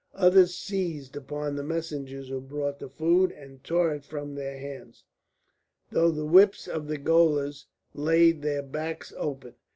Others seized upon the messengers who brought the food, and tore it from their hands, though the whips of the gaolers laid their backs open.